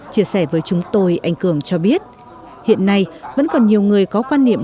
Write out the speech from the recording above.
chia sẻ với chúng tôi anh cường cho biết hiện nay vẫn còn nhiều người có quan niệm